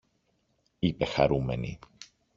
είπε χαρούμενη